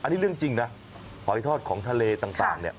นี่เรื่องจริงเนี่ยฮอยทอดของทะเลต่างเนี่ย